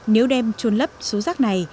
nếu đem trôn lấp số rắc này